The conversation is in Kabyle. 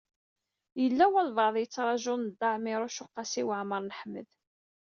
Yella walebɛaḍ i yettṛajun Dda Ɛmiiruc u Qasi Waɛmer n Ḥmed.